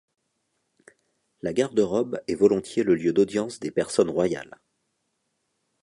La garde-robe est volontiers le lieu d’audience des personnes royales.